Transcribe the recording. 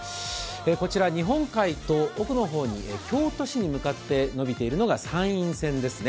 こちら日本海と京都市に向かって延びているのが山陰線ですね。